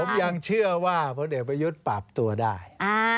ผมยังเชื่อว่าพลเอกประยุทธ์ปรับตัวได้